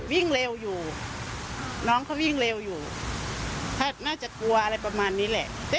วิ่งเร็วอยู่น้องเขาวิ่งเร็วอยู่ถ้าน่าจะกลัวอะไรประมาณนี้แหละ